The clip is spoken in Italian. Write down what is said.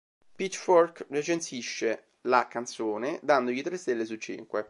Pitchfork recensisce la canzone dandogli tre stelle su cinque.